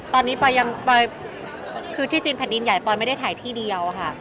ตอนนี้ปอยยังปอยคือที่จีนแผ่นดินใหญ่ปอยไม่ได้ถ่ายที่เดียวค่ะ